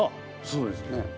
そうですね。